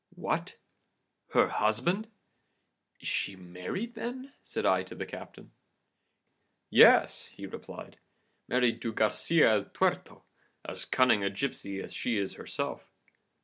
"What! her husband? Is she married, then?' said I to the captain. "'Yes!' he replied, 'married to Garcia el Tuerto* as cunning a gipsy as she is herself.